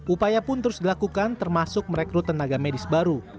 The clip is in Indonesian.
upaya pun terus dilakukan termasuk merekrut tenaga medis baru